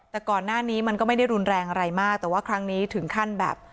แต่ก่อนหน้านี้มันก็ไม่ได้รุนแรงอะไรมากแต่ว่าครั้งนี้ถึงขั้นแบบ